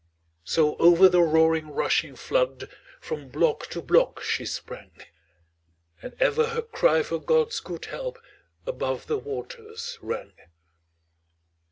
So over the roaring rushing flood, From block to block she sprang, And ever her cry for God's good help Above the waters rang.